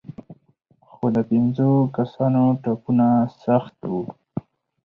خو د پېنځو کسانو ټپونه سخت وو.